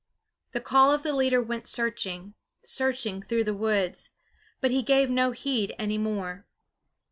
The call of the leader went searching, searching through the woods; but he gave no heed any more.